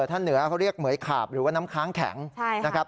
ถ้าเหนือเขาเรียกเหมือยขาบหรือว่าน้ำค้างแข็งนะครับ